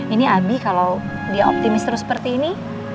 ini abi kalau dia optimis terus seperti ini